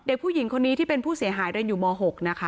เด็กผู้หญิงคนนี้ที่เป็นผู้เสียหายเรียนอยู่ม๖นะคะ